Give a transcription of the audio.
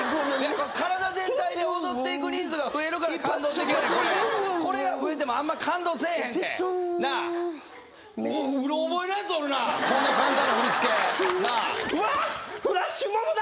体全体で踊っていく人数が増えるから感動的やねんこれこれが増えてもあんま感動せえへんてなあうろ覚えのやつおるなこんな簡単な振り付けなあわあーフラッシュモブだ！